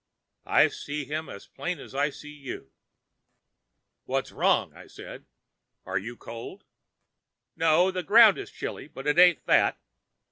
I see him as plain as I see you. "'What's wrong?' says I. 'Are you cold?' "'No. The ground is chilly, but it ain't that.